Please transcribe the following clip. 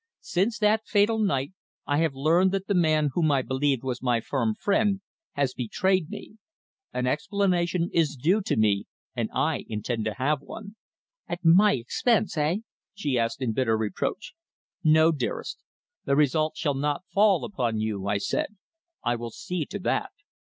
"Since that fatal night I have learned that the man whom I believed was my firm friend has betrayed me. An explanation is due to me, and I intend to have one." "At my expense eh?" she asked in bitter reproach. "No, dearest. The result shall not fall upon you," I said. "I will see to that.